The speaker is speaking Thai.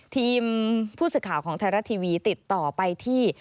ทีมผู้สื่อข่าวของไทยรัตน์ทีวีติดต่อไปที่